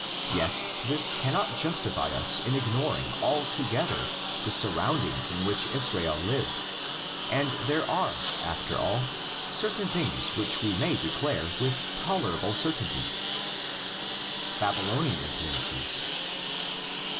Yet this cannot justify us in ignoring alto gether the surroundings in which Israel lived, and there are after all certain things which we may declare with tolerable certainty. 90 THE LEGENDS OF GENESIS. BABYLONIAN INFLUENCES.